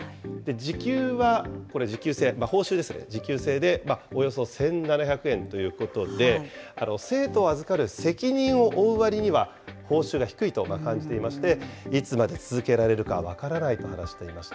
時給は、これ時給制、報酬ですね、時給制でおよそ１７００円ということで、生徒を預かる責任を負うわりには報酬が低いと感じていまして、いつまで続けられるか分からないと話していました。